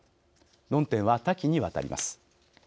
論点は多岐に渡ります。